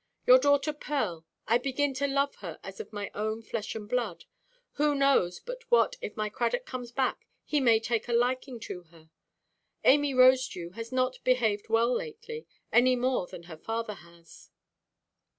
Your daughter Pearl; I begin to love her as of my own flesh and blood. Who knows but what, if my Cradock comes back, he may take a liking to her? Amy Rosedew has not behaved well lately, any more than her father has."